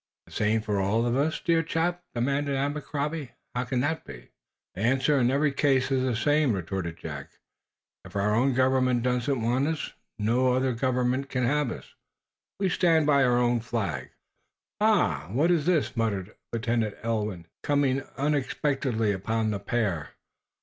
"The same for all of us, dear chap?" demanded Abercrombie. "How can that be?" "The answer in every case is the same," retorted Jack. "If our own government doesn't want us, no other government can have us. We stand by our own Flag." "Eh? What is this?" muttered Lieutenant Ulwin, coming unexpectedly upon the pair.